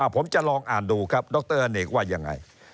ผมจะลองอ่านดูครับดรอเนกว่ายังไง